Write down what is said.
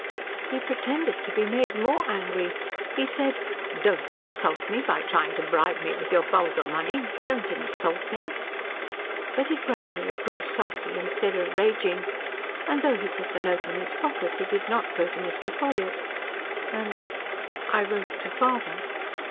"He pretended to be made more angry. He said, 'Don't insult me by trying to bribe me with your vulgar money. Don't insult me.' But he gradually grew sulky instead of raging, and though he put the note in his pocket, he did not go to Mr. Ffolliott. And I wrote to father."